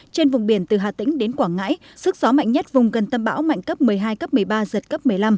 trên vùng biển từ hà tĩnh đến quảng ngãi sức gió mạnh nhất vùng gần tâm bão mạnh cấp một mươi hai cấp một mươi ba giật cấp một mươi năm